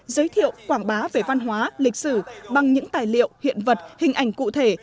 giới thiệu quảng bá về văn hóa lịch sử bằng những tài liệu hiện vật hình ảnh cụ thể